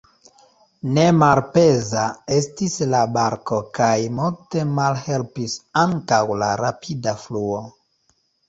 Ne malpeza estis la barko kaj multe malhelpis ankaŭ la rapida fluo.